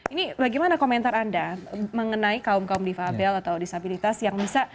ini bagaimana komentar anda mengenai kaum kaum difabel atau disabilitas yang bisa